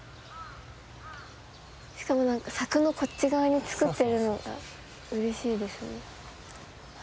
しかもなんか柵のこっち側に作ってるのが嬉しいですね。